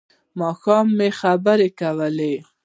ماشوم مو خبرې کوي؟